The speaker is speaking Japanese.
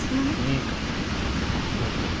いいから早く着替えてこい。